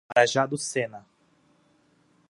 Marajá do Sena